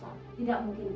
tidak mungkin pak